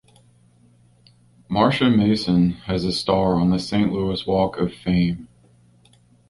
Marsha Mason has a star on the Saint Louis Walk of Fame.